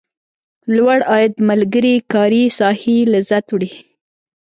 لوړ عاید ملګري کاري ساحې لذت وړي.